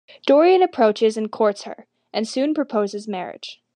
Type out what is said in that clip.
Dorian approaches and courts her, and soon proposes marriage.